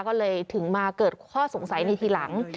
ก็เลยถึงมาเกิดข้อสงสัยในทีหลัง